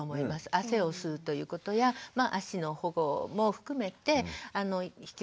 汗を吸うということや足の保護も含めて必要なんですけど